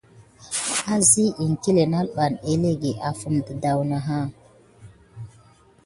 Enseŋ iŋkile nalɓa elege sa? Afime de daouna.